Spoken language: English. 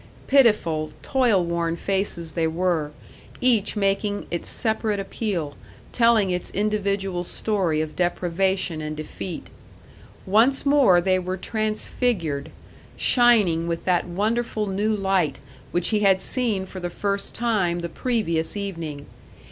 Pitiful, toil worn faces they were, each making its separate appeal, telling its individual story of deprivation and defeat. Once more they were transfigured, shining with that wonderful new light which he had seen for the first time the previous evening.